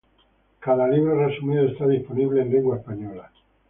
Cada libro resumido está disponible en lengua española.